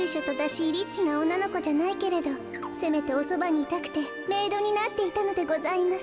リッチなおんなのこじゃないけどせめておそばにいたくてメイドになっていたのでございます。